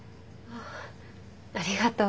ありがとう。